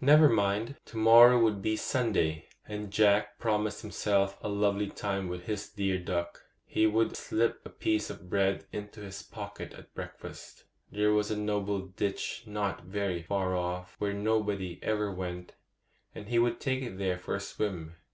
Never mind; to morrow would be Sunday, and Jack promised himself a lovely time with his dear cluck. He would slip a piece of bread into his pocket at breakfast; there was a noble ditch not very far off, where nobody ever went, and he would take it there for a swim.